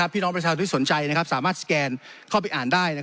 พี่น้องประชาชนสามารถสแกนเข้าไปอ่านได้